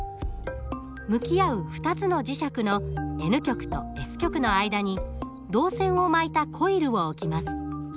向き合う２つの磁石のＮ極とＳ極の間に導線を巻いたコイルを置きます。